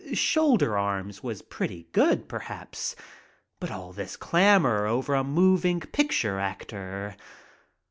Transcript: "Shoulder Arms" was pretty good, perhaps, but all this clamor over a moving picture actor!